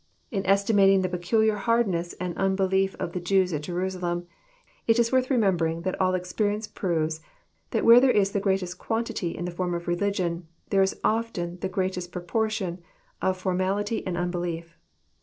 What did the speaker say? '] In estimating the peculiar hardness and unbelief of the Jews at Jerusalem, it is worth remembering that all experience proves that where there is the greatest quantity of the form of religion, there is often the great est proportion of formality and unbelief.